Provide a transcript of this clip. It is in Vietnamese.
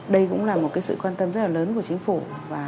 đây cũng là một sự quan tâm rất là lớn của chính phủ